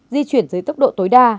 di chuyển dưới tốc độ tối đa